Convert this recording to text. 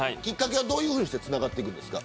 どういうふうにつながっていくんですか。